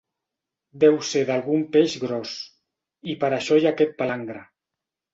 Deu ser d'algun peix gros, i per això hi ha aquest palangre.